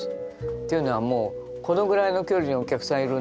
っていうのはもうこのぐらいの距離にお客さんいるんですよ。